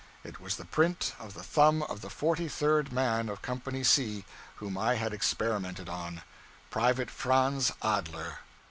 It was the print of the thumb of the forty third man of Company C whom I had experimented on Private Franz Adler.